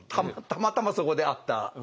たまたまそこで会った。